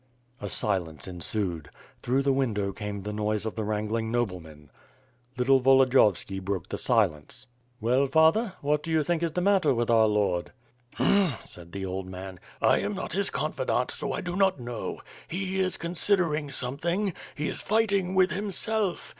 A silence ensued. Through the window came the noise of the wrangling noblemen. Little Volodiyovski broke the silence. "Well, father, what do you think is the matter with our lord?" "Hm!" said the old man, "I am not his confidant so I do not know. He is considering something. He is fighting with himself.